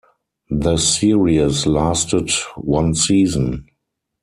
The series lasted one season.